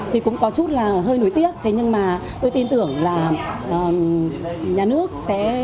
thì cũng có chút là hơi nối tiếc thế nhưng mà tôi tin tưởng là nhà nước sẽ